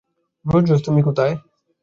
রোজ, Rose, তুমি কোথায়?